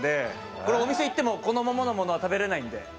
これお店行ってもこのままのものは食べれないんで。